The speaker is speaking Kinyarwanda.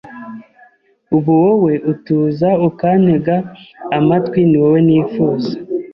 ubu wowe utuza ukantega amatwi niwowe nifuza